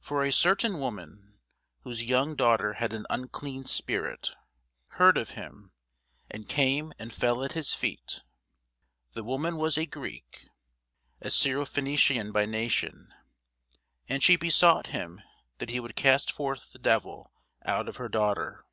For a certain woman, whose young daughter had an unclean spirit, heard of him, and came and fell at his feet: the woman was a Greek, a Syrophenician by nation; and she besought him that he would cast forth the devil out of her daughter.